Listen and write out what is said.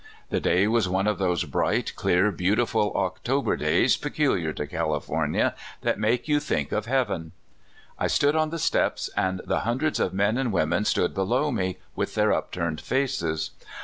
The day was one of those bright, clear, beautiful October days, peculiar to California, that make you think of heaven. I stood on the steps, and the hundreds of men and women stood below me with their upturned faces.